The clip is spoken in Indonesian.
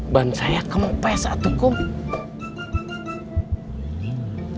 ban saya kempes tukung